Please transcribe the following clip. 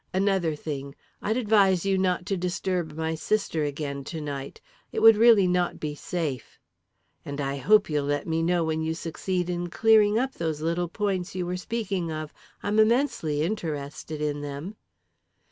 Another thing I'd advise you not to disturb my sister again to night; it would really not be safe. And I hope you'll let me know when you succeed in clearing up those little points you were speaking of I'm immensely interested in them."